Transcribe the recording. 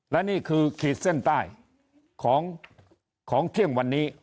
และนี่คือขีดเส้นใต้ของเที่ยงวันนี้